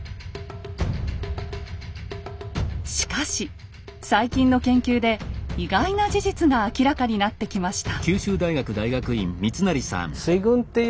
しかし最近の研究で意外な事実が明らかになってきました。